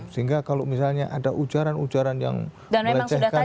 sehingga kalau misalnya ada ujaran ujaran yang melecehkan